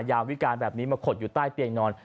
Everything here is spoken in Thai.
ยาวิการแบบนี้มาขดอยู่ใต้เตียงนอน